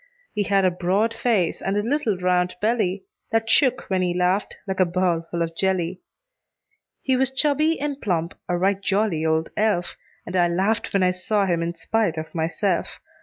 He had a broad face, and a little round belly That shook when he laughed, like a bowl full of jelly. He was chubby and plump a right jolly old elf; And I laughed when I saw him in spite of myself.